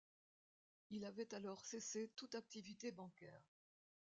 Il avait alors cessé toute activité bancaire.